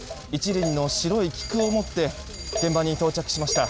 １輪の白い菊を持って現場に到着しました。